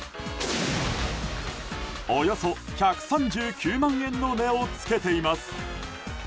およそ１３９万円の値をつけています。